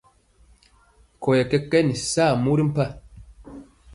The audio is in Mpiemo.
Nkɔyɛ kɛkɛn saa mori mpa.